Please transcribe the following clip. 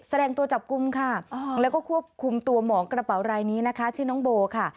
แสดงตัวจับกลุ่มค่ะแล้วก็ควบคุมตัวหมองกระเป๋ารายนี้นะคะชื่อน้องโบค่ะ